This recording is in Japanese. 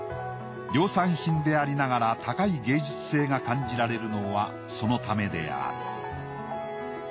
量産品でありながら高い芸術性が感じられるのはそのためである。